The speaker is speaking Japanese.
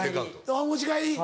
お持ち帰り。